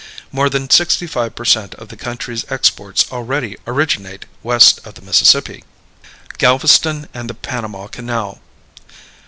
More than sixty five per cent of the country's exports already originate west of the Mississippi. Galveston and the Panama Canal.